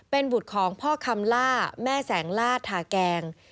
เป็นบุตรของพ่อคำล่าแม่แสงลาดทาแกง